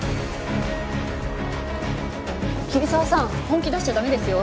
桐沢さん本気出しちゃ駄目ですよ。